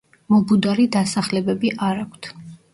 მობუდარი დასახლებები არ აქვთ.